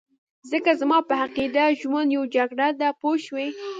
ځکه زما په عقیده ژوند یو جګړه ده پوه شوې!.